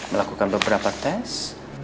melakukan beberapa tes